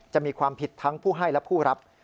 จะมีความผิดทั้งผู้ให้และผู้รับ